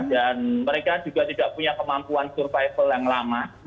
dan mereka juga tidak punya kemampuan survival yang lama